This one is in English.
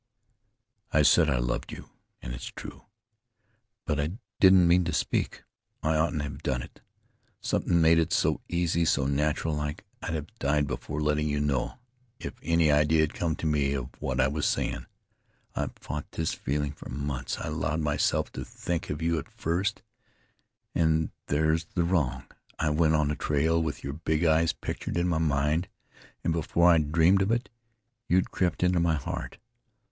"I said I loved you, an' it's true, but I didn't mean to speak. I oughtn't have done it. Somethin' made it so easy, so natural like. I'd have died before letting you know, if any idea had come to me of what I was sayin'. I've fought this feelin' for months. I allowed myself to think of you at first, an' there's the wrong. I went on the trail with your big eyes pictured in my mind, an' before I'd dreamed of it you'd crept into my heart.